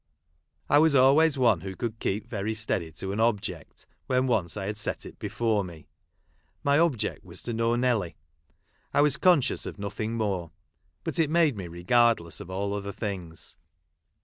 I was always one who could keep very steady to an object when once I had set it before me. My object was to know Nelly. I was conscious of nothing more. But it made me regardless of all other things.